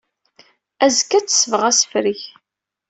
Azekka ad tesbeɣ asefreg.